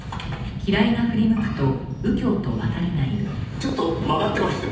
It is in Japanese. ちょっと曲がってましてね。